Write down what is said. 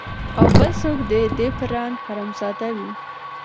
او بل څوک د ده په رنګ حرامزاده وي